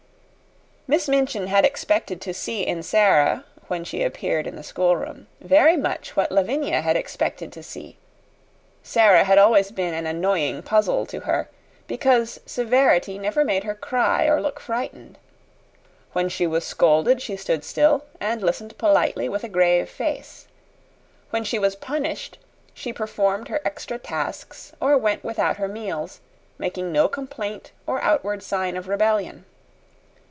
Miss Minchin had expected to see in Sara, when she appeared in the schoolroom, very much what Lavinia had expected to see. Sara had always been an annoying puzzle to her, because severity never made her cry or look frightened. When she was scolded she stood still and listened politely with a grave face; when she was punished she performed her extra tasks or went without her meals, making no complaint or outward sign of rebellion.